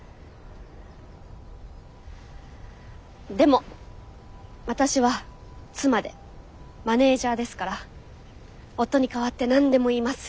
でも私は妻でマネージャーですから夫に代わって何でも言います。